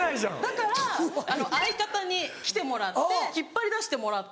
だから相方に来てもらって引っ張り出してもらって。